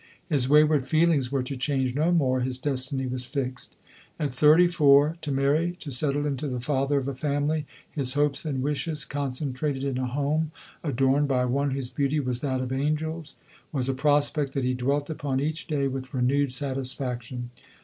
His wayward feelings were to change no more — his destiny was fixed. At thirty four to marry, to settle into the father of a family, his hopes and wishes concentrated in a home, adorned by one whose beauty was that of angels, 110 LODORE. was a prospect that he dwelt upon each clay with renewed satisfaction.